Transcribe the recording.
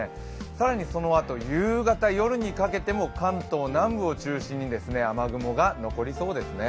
更にそのあと、夕方、夜にかけても関東南部を中心に雨雲が残りそうですね。